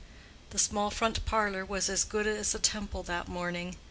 The small front parlor was as good as a temple that morning.